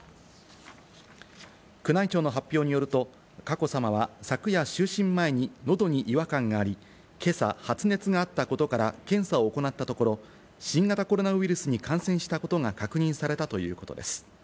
宮内庁の発表によると、佳子さまは昨夜、就寝前に喉に違和感があり、今朝発熱があったことから検査を行ったところ、新型コロナウイルスに感染したことが確認されたということです。